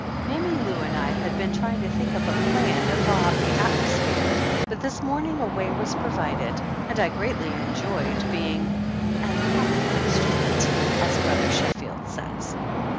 Mammy Lou and I had been trying to think up a plan to thaw out the atmosphere, but this morning a way was provided, and I greatly en joyed being "an humble instrument," as Brother Sheffield says.